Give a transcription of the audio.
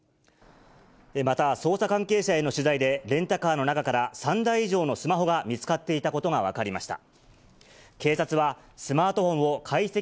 また捜査関係者への取材で、レンタカーの中から、３台以上のスマホが見つかっていたことが分かりました。